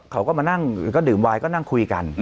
เขาก็มานั่งก็ดื่มไวน์ก็นั่งคุยกัน